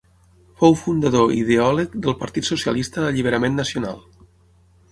Fou fundador i ideòleg del Partit Socialista d'Alliberament Nacional.